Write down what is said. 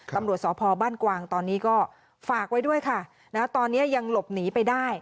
ตำรวจสพบ้านกวางตอนนี้ก็ฝากไว้ด้วยค่ะตอนนี้ยังหลบหนีไปได้